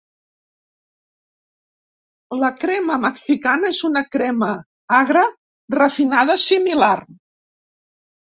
La "crema mexicana" és una crema agra refinada similar.